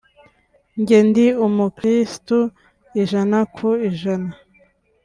njye ndi umukristu ijana ku ijana